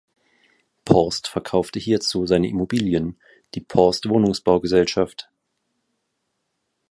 Porst verkaufte hierzu seine Immobilien, die Porst Wohnungsbaugesellschaft.